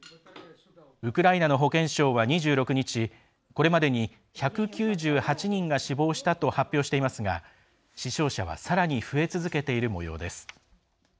ウクライナの保健相は２６日これまでに１９８人が死亡したと発表していますが死傷者はさらに増え続けているもようです。